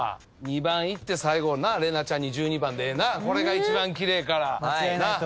２番いって最後怜奈ちゃんに１２番でええなこれが一番奇麗なあ。